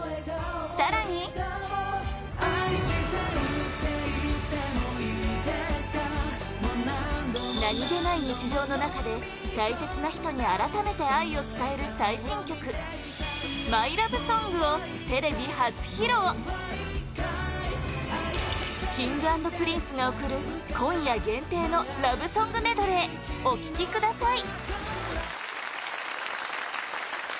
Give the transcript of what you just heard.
更に何気ない日常の中で大切な人に改めて愛を伝える最新曲「ＭｙＬｏｖｅＳｏｎｇ」をテレビ初披露Ｋｉｎｇ＆Ｐｒｉｎｃｅが贈る今夜限定のラブソングメドレーお聴きください！